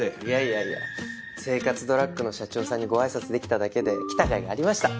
せいかつドラッグの社長さんにごあいさつできただけで来たかいがありました！